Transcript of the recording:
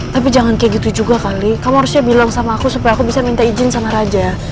tapi jangan kayak gitu juga kali kamu harusnya bilang sama aku supaya aku bisa minta izin sama raja